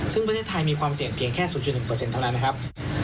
ซึ่งประเทศไทยมีความเสี่ยงเพียงแค่๐๑เท่านั้นนะครับ